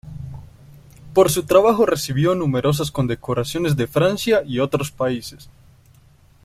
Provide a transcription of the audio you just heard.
Por su trabajo recibió numerosas condecoraciones de Francia y otros países.